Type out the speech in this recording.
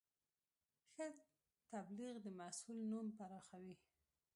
ښه تبلیغ د محصول نوم پراخوي.